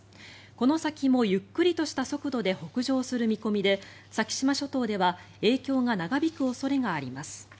この先もゆっくりとした速度で北上する見込みで先島諸島では影響が長引く恐れがあります。